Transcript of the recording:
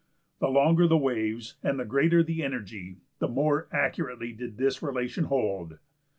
The longer the waves and the greater the energy(12) the more accurately did this relation hold.